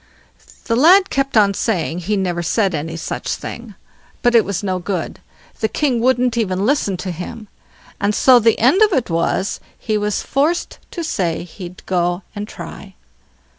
The lad kept on saying he never said any such thing; but it was no good—the king wouldn't even listen to him; and so the end of it was he was forced to say he'd go and try.